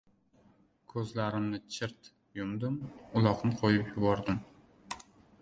Ko‘zlarimni chirt yumdim, uloqni qo‘yib yubordim...